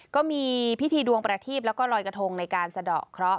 ก็มีพิธีดวงประทีปแล้วก็ลอยกระทงในการสะดอกเคราะห